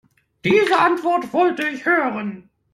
Diese Antwort wollte ich hören.